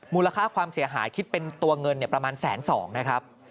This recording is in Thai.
มูลค่าความเสียหายคิดเป็นตัวเงินประมาณแสนสองนะครับ